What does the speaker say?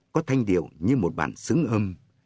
có thanh điệu như một bản sướng âm